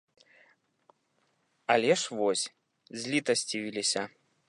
Але ж вось, злітасцівіліся.